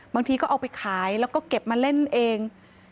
บางทีก็เอาไปขายแล้วก็เก็บมาเล่นเอง